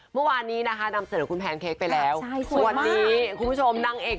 เมื่อวานนี้นำเสริมของคุณแฮนเค้กไปแล้วสวัสดีคุณผู้ชมใช่สวยมาก